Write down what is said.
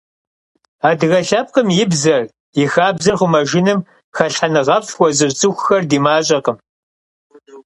Адыгэ лъэпкъым и бзэр, и хабзэр хъумэжыным хэлъхьэныгъэфӀ хуэзыщӀ цӀыхухэр ди мащӀэкъым.